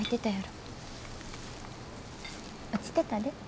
落ちてたで。